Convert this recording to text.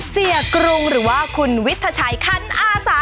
กรุงหรือว่าคุณวิทยาชัยคันอาสา